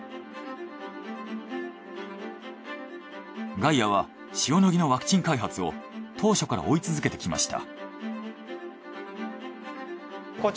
「ガイア」は塩野義のワクチン開発を当初から追い続けてきました。